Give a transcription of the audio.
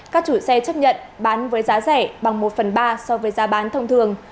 các chủ xe chấp nhận bán với giá rẻ bằng một phần ba so với giá bán thông thường